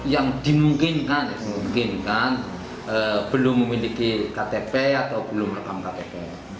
yang dimungkinkan belum memiliki ktp atau belum rekam ktp